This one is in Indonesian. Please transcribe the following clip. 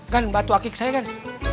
gan batu akik saya gan